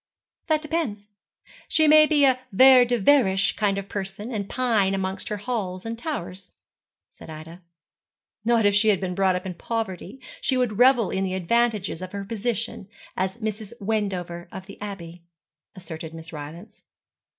'That depends. She may be a Vere de Vereish kind of person, and pine amongst her halls and towers,' said Ida. 'Not if she had been brought up in poverty. She would revel in the advantages of her position as Mrs. Wendover of the Abbey,' asserted Miss Rylance.